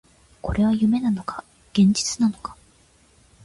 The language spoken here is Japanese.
これは夢なのか、現実なのか